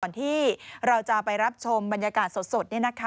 ก่อนที่เราจะไปรับชมบรรยากาศสดนี่นะคะ